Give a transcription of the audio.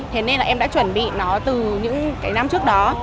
thế nên là em đã chuẩn bị nó từ những cái năm trước đó